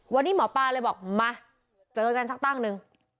วันนี้หมอปลาเลยบอกมาเจอกันสักตั้งหนึ่ง